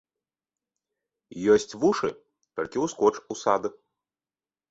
Ёсць вушы, толькі ўскоч у сад.